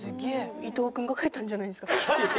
伊藤君が書いたんじゃないですか？